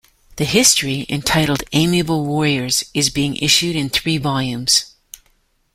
The history, entitled "Amiable Warriors", is being issued in three volumes.